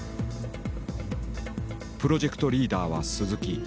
プロジェクトリーダーは鈴木。